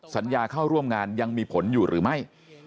สัญญาเข้าร่วมงานยังมีผลอยู่หรือไม่